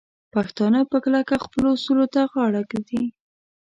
پښتانه په کلکه خپلو اصولو ته غاړه ږدي.